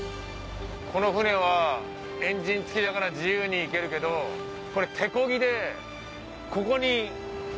この船はエンジン付きだから自由に行けるけどこれ。